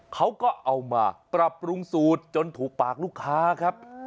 เขาก็เอามาปรับปรุงสูตรจนถูกปากลูกค้าครับ